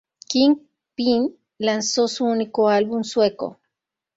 Kingpin lanzó su único álbum sueco.